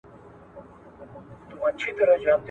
که ویلې دي سندري غر به درکړي جوابونه ,